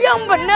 yang bener kak